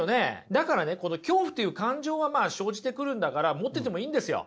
だからねこの恐怖という感情は生じてくるんだから持っててもいいんですよ。